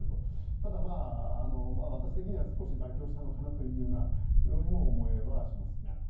ただ、私的には少し妥協したのかなという思いもします。